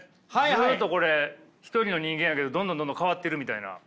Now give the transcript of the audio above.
ずっとこれ一人の人間やけどどんどんどんどん変わってるみたいな。